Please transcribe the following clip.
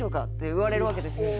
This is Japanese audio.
言われるわけですよ。